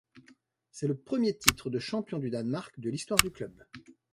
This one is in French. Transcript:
C'est le premier titre de champion du Danemark de l'histoire du club.